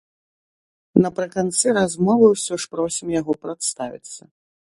Напрыканцы размовы ўсё ж просім яго прадставіцца.